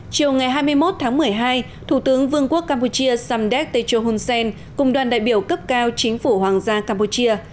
chiều ngày hai mươi một tháng một mươi hai thủ tướng vương quốc campuchia samdek techo hun sen cùng đoàn đại biểu cấp cao chính phủ hoàng gia campuchia